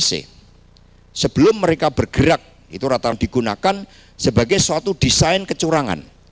sebelum mereka bergerak itu rata rata digunakan sebagai suatu desain kecurangan